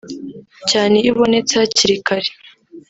cyane iyo ibonetse hakiri kare